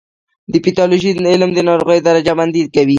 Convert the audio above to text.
د پیتالوژي علم د ناروغیو درجه بندي کوي.